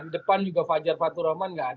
di depan juga fajar faturaman nggak ada